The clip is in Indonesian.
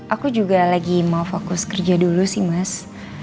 aku juga lagi mau fokus kerja dulu sih mas